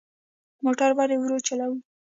موټر ولې ورو چلوو؟